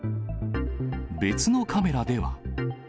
別のカメラでは。